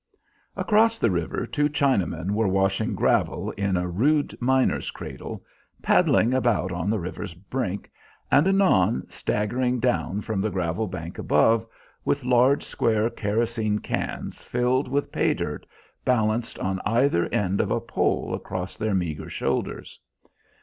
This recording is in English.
Across the river two Chinamen were washing gravel in a rude miner's cradle, paddling about on the river's brink, and anon staggering down from the gravel bank above, with large square kerosene cans filled with pay dirt balanced on either end of a pole across their meagre shoulders.